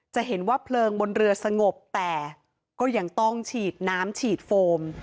จะเห็นว่าเพลิงบนเรือสงบแต่ก็ยังต้องฉีดน้ำฉีดโฟม